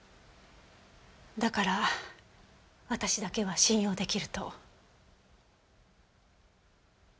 だから私だけは信用できると？